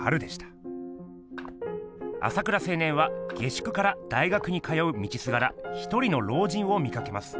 朝倉青年は下宿から大学に通う道すがらひとりの老人を見かけます。